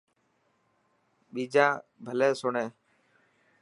ٻيجا ڀلي سڻي.